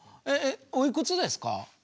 おいくつですか？